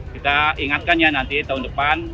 kita ingatkan ya nanti tahun depan